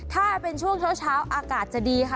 ถ้าเป็นช่วงเช้าอากาศจะดีค่ะ